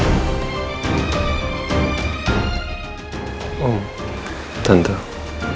berkuno gue maka kalau adachrist